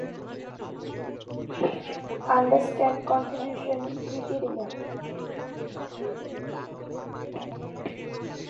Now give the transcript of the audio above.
বর্তমানে আধুনিক প্রাণিবিজ্ঞান এবং শান্তি ও সংঘর্ষ অধ্যয়নে মানব-বন্যপ্রাণী সংঘর্ষ একটি গুরুত্বপূর্ণ আলোচ্য বিষয়।